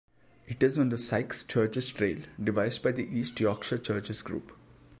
It is on the Sykes Churches Trail devised by the East Yorkshire Churches Group.